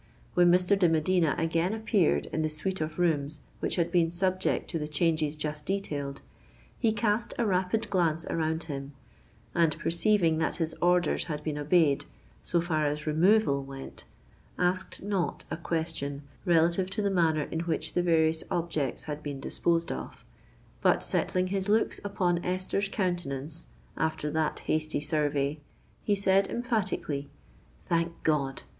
When Mr. de Medina again appeared in the suite of rooms which had been subject to the changes just detailed, he cast a rapid glance around him, and perceiving that his orders had been obeyed so far as removal went, asked not a question relative to the manner in which the various objects had been disposed of: but, settling his looks upon Esther's countenance, after that hasty survey, he said emphatically, "_Thank God!